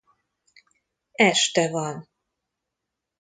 Este van.